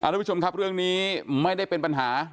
ทุกผู้ชมครับเรื่องนี้ไม่ได้เป็นปัญหา